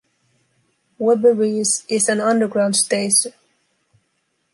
Weberwiese is an underground station.